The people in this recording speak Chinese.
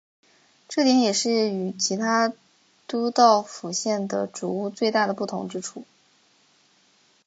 这点也是与其他都道府县的煮物最大的不同之处。